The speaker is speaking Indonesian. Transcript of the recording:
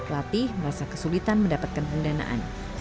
pelatih merasa kesulitan mendapatkan pendanaan